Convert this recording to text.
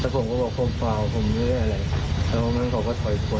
แต่ผมก็บอกผมฝ่าวผมหรืออะไรแต่ว่าไม่งั้นเขาก็ถอยกวน